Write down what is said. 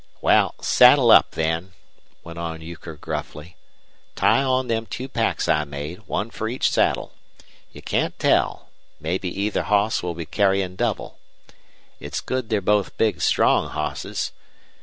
"Wal, saddle up, then," went on Euchre, gruffly. "Tie on them two packs I made, one fer each saddle. You can't tell mebbe either hoss will be carryin' double. It's good they're both big, strong hosses.